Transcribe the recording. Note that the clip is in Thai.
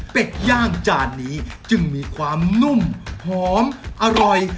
ย่างจานนี้จึงมีความนุ่มหอมอร่อย